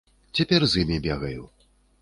Цяпер з імі бегаю.